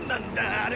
あれ！